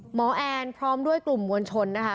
แอนพร้อมด้วยกลุ่มมวลชนนะคะ